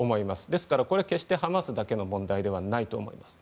ですから、これは決してハマスだけの問題ではナイト思います。